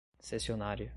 cessionária